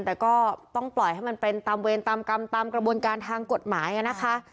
แต่ก็ต้องปล่อยให้มันเป็นตามเวรตามกรรมตามกระบวนการทางกฎหมายนะคะ